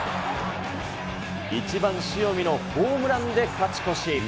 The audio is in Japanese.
１番塩見のホームランで勝ち越し。